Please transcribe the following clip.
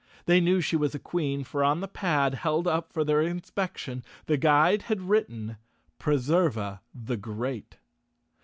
They knew she was a Queen, for on the pad held up for their inspection the guide had written, "Preserva the Great."